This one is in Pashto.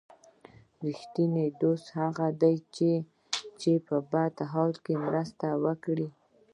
رښتینی دوست هغه دی چې په بد حال کې مرسته وکړي.